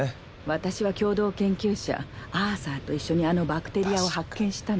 私は共同研究者アーサーと一緒にあのバクテリアを発見したの。